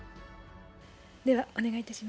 ではお願いいたします。